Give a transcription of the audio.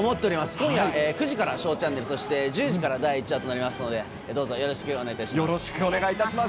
今夜９時からＳＨＯＷチャンネル、そして１０時から第１話となりますので、どうぞよろしくお願いいたします。